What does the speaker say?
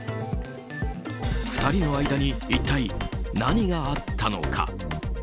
２人の間に一体何があったのか。